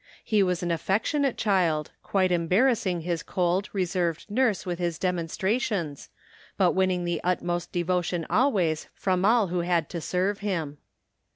He was an affectionate child, quite embarrassing his cold, re served nurse with his demonstrations, but winning the utmost devotion always from all who had to serve him.